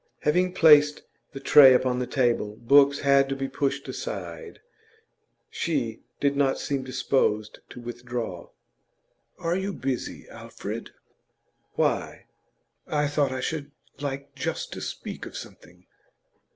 Having placed the tray upon the table books had to be pushed aside she did not seem disposed to withdraw. 'Are you busy, Alfred?' 'Why?' 'I thought I should like just to speak of something.